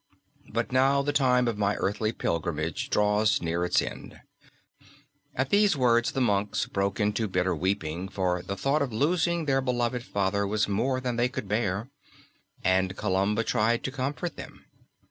But now the time of my earthly pilgrimage draws near its end." At these words the monks broke into bitter weeping, for the thought of losing their beloved father was more than they could bear, and Columba tried to comfort them.